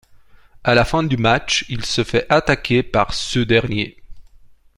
À la fin du match, il se fait attaquer par ce dernier.